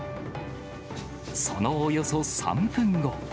そのおよそ３分後。